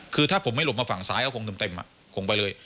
คือถ้าผมไม่หลบมาฝั่งซ้ายเขาคงเต็มเต็มอ่ะคงไปเลย